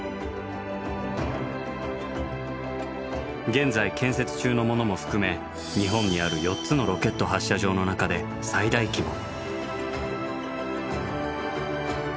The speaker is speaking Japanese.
現在建設中のものも含め日本にある４つのロケット発射場の中で最大規模。